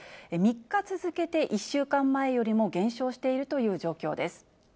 ３日続けて１週間前よりも減少しているという状況です。